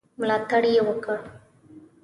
ملاتړ یې وکړ.